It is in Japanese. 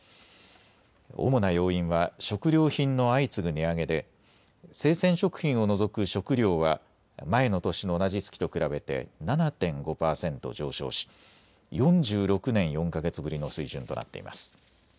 主な要因は食料品の相次ぐ値上げで生鮮食品を除く食料は前の年の同じ月と比べて７．５％上昇し、４６年４か月ぶりの水準となっています。